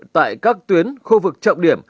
tại các tuyến khu vực trọng điểm